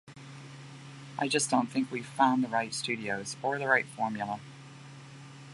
I just don't think we've found the right studios, or the right formula.